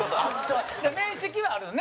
面識はあるよね？